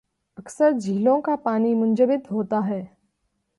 اکثر جھیلوں کا پانی منجمد ہوتا ہے